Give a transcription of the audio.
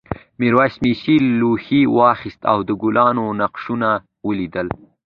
میرويس مسي لوښی واخیست او د ګلانو نقشونه ولیدل.